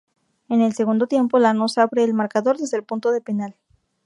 En el segundo tiempo Lanús abre el marcador desde el punto de penal.